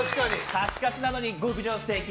カツカツなのに極上ステーキ。